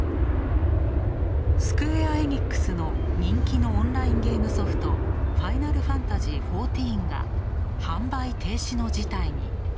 スクウェア・エニックスの人気のオンラインゲームソフト、「ＦＩＮＡＬＦＡＮＴＡＳＹ１４」が販売停止の事態に。